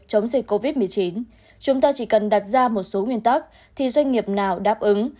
chống dịch covid một mươi chín chúng ta chỉ cần đặt ra một số nguyên tắc thì doanh nghiệp nào đáp ứng